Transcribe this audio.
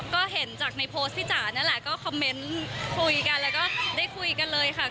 ก็เห็นจากในโพสต์พี่จ๋านั่นแหละก็คอมเมนต์คุยกันแล้วก็ได้คุยกันเลยค่ะ